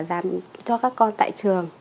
làm cho các con tại trường